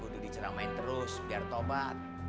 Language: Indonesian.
gue udah diceramain terus biar tobat